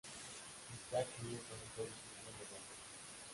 Isaac Newton fue discípulo de Barrow.